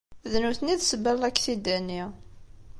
D nutni i d ssebba n laksida-nni.